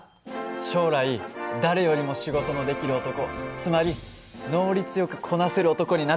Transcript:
将来誰よりも仕事のできる男つまり能率よくこなせる男になってみせる！